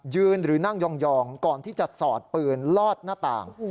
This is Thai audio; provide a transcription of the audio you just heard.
หรือนั่งยองก่อนที่จะสอดปืนลอดหน้าต่าง